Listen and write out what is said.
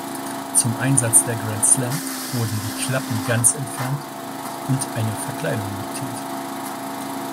Zum Einsatz der "Grand Slam" wurden die Klappen ganz entfernt und eine Verkleidung montiert.